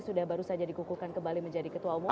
sudah baru saja dikukuhkan kembali menjadi ketua umum